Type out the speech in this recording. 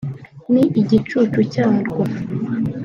ni igicucu cyarwo